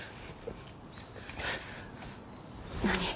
何？